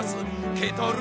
ケトル